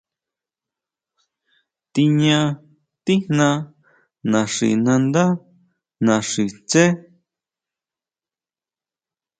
Tiña tijna naxinandá naxi tsé.